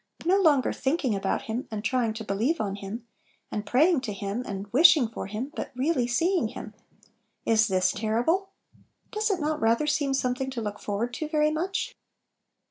No longer thinking about Him, and trying to believe on Him, and pray ing to Him, and wishing for Him, but really seeing Him! Is this terrible? Does it not rather seem something to look forward to very much?